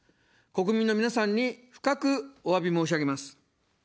国民の皆さんに深くおわび申し上げます。